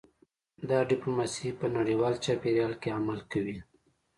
دا ډیپلوماسي په نړیوال چاپیریال کې عمل کوي